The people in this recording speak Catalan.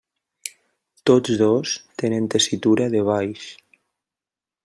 Tots dos tenen tessitura de baix.